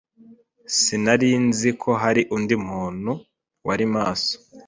Sinari nzi ko hari undi muntu wari maso.